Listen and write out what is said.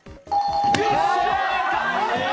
正解です！